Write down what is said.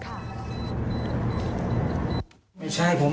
ไม่ใช่ผมไม่รู้จริงแค่เห็นใจผม